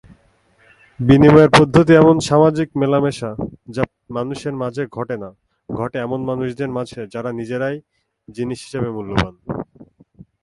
বিনিময়ের পদ্ধতি এমন সামাজিক মেলামেশা যা মানুষের মাঝে ঘটে না, ঘটে এমন মানুষদের মাঝে যারা নিজেরাই জিনিস হিসেবে মূল্যবান।